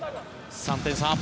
３点差。